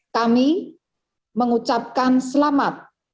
kami mengucapkan selamat